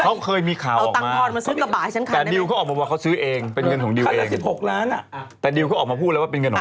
เพราะพี่ก็เชื่อว่าถ้าหนูต้องการเงินคงมีคนที่ให้ได้เยอะกว่านี้